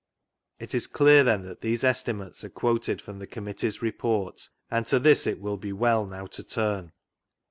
It is dear, thtn, that these estimates are quoted from the Com mittee's Report, and to this it wUl be well now to turn.